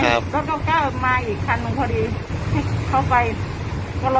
นะครมรถสเก้าเก้ามาอีกคันมันพอดีเขาไปก็หลอ